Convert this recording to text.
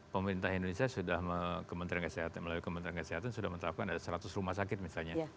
pemerintah indonesia sudah melalui kementerian kesehatan sudah menetapkan seratus rumah sakit misalnya